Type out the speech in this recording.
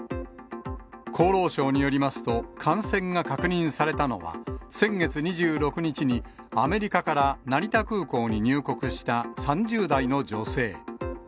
厚労省によりますと、感染が確認されたのは、先月２６日にアメリカから成田空港に入国した３０代の女性。